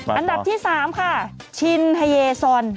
อันดับที่๓ค่ะชินเฮซอน